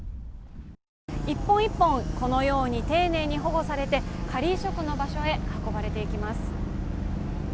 １本１本、このように丁寧に保護されて仮移植の場所へ運ばれていきます。